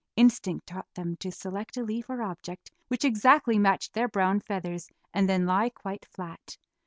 Instinct taught them to select a leaf or object which exactly matched their brown feathers, and then lie quite flat.